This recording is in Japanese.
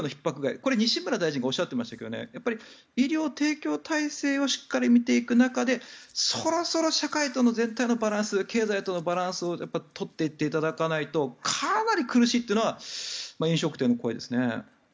これは西村大臣がおっしゃっていましたが医療提供体制をしっかり見ていく中でそろそろ社会との全体のバランス経済とのバランスを取っていっていただかないとかなり苦しいというのは飲食店の声ですね。